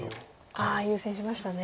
ああ優先しましたね。